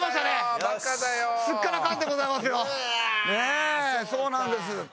ねえそうなんです。